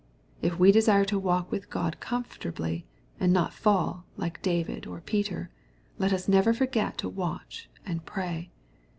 If we desire to walk with God com* fortably, and not fall, like David or P^r, let us never forget to watch and pray.